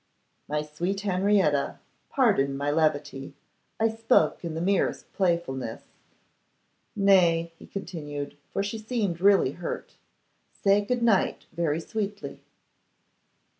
'My sweet Henrietta, pardon my levity. I spoke in the merest playfulness. Nay,' he continued, for she seemed really hurt, 'say good night very sweetly.